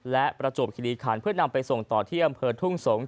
และประจวบคิริขันเพื่อนำไปส่งต่อที่อำเภอทุ่งสงศ